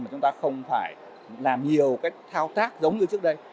mà chúng ta không phải làm nhiều cái thao tác giống như trước đây